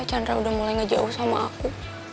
chandra udah mulai ngejauh sama aku